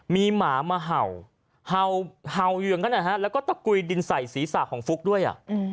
มีหมามาเห่าเห่าอยู่อย่างนั้นนะฮะแล้วก็ตะกุยดินใส่ศีรษะของฟุ๊กด้วย